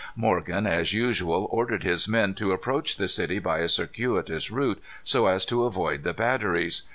Morgan, as usual, ordered his men to approach the city by a circuitous route, so as to avoid the batteries.